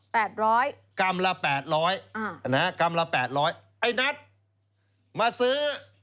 ร้อยกรัมละแปดร้อยอ่านะฮะกรัมละแปดร้อยไอ้นัทมาซื้อ